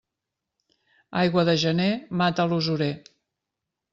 Aigua de gener mata l'usurer.